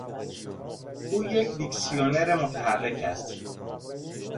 او یک دیکسیونر متحرک است!